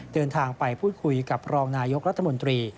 เดินทางไปพูดคุยกับรองนายกรัฐมนตรี